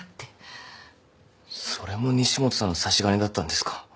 それも西本さんの差し金だったんですか。